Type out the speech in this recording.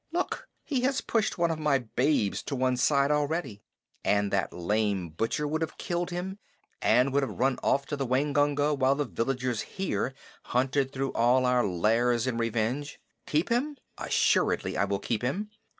Look, he has pushed one of my babes to one side already. And that lame butcher would have killed him and would have run off to the Waingunga while the villagers here hunted through all our lairs in revenge! Keep him? Assuredly I will keep him.